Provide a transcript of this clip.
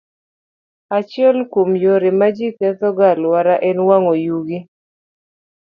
Achiel kuom yore ma ji kethogo alwora en wang'o yugi.